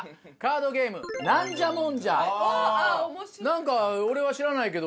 何か俺は知らないけど。